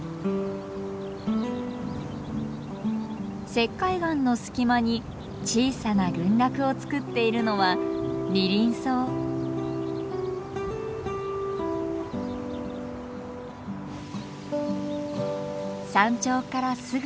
石灰岩の隙間に小さな群落をつくっているのは山頂からすぐ下。